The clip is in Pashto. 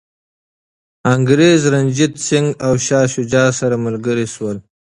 انګریز، رنجیت سنګ او شاه شجاع سره ملګري شول.